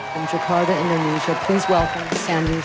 di jakarta indonesia silakan mengucapkan selamat datang ke sandi sandoro